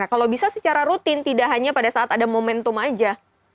kalau bisa secara rutin tidak hanya pada saat ada momentum aja